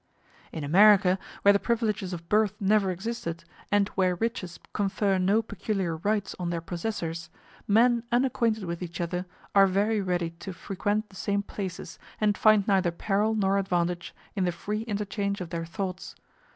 In America, where the privileges of birth never existed, and where riches confer no peculiar rights on their possessors, men unacquainted with each other are very ready to frequent the same places, and find neither peril nor advantage in the free interchange of their thoughts.